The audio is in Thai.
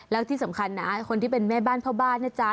แล้วที่สำคัญนะคนที่เป็นแม่บ้านพ่อบ้านนะจ๊ะ